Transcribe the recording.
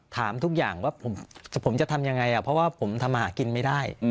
ถามทุกอย่างว่าผมจะทำยังไงเพราะว่าผมทำมาหากินไม่ได้